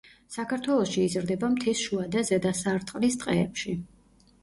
საქართველოში იზრდება მთის შუა და ზედა სარტყლის ტყეებში.